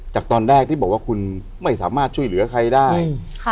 จากตอนแรกที่บอกว่าคุณไม่สามารถช่วยเหลือใครได้